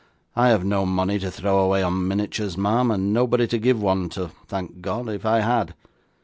'I have no money to throw away on miniatures, ma'am, and nobody to give one to (thank God) if I had.